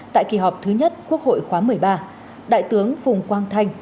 tại kỳ họp thứ nhất quốc hội khóa một mươi ba đại tướng phùng quang thanh